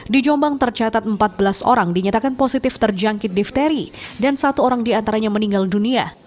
di jombang tercatat empat belas orang dinyatakan positif terjangkit difteri dan satu orang diantaranya meninggal dunia